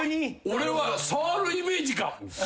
俺は触るイメージか！？